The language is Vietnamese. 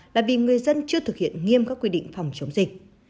là vì người dân chưa thực hiện nghiêm các quy định phòng chống dịch